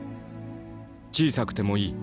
「小さくてもいい。